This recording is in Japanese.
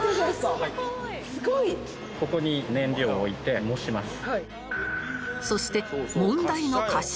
ここに燃料を置いて燃します。